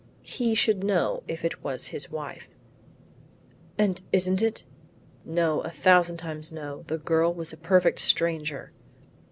He should know if it is his wife." "And isn't it?" "No, a thousand times no; the girl was a perfect stranger."